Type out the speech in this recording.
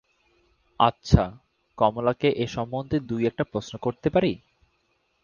আচ্ছা, কমলাকে এ সম্বন্ধে দুই-একটা প্রশ্ন করিতে পারি?